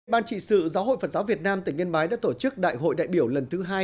ban trị sự giáo hội phật giáo việt nam tỉnh yên bái đã tổ chức đại hội đại biểu lần thứ hai